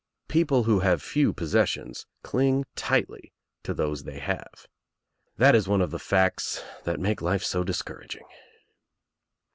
People who have few possessions cling tightly to those they have. That is one of the facts that make life so discouraging.